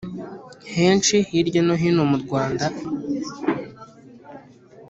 henshi hirya no hino mu Rwanda